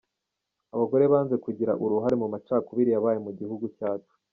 Abagore banze kugira uruhare mu macakubiri yabaye mu gihugu cyacu,.